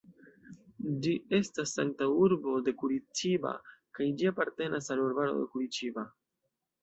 Ĝi estas antaŭurbo de Curitiba kaj ĝi apartenas al urbaro de Curitiba.